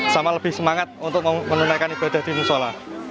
sama lebih semangat untuk menunaikan ibadah di musola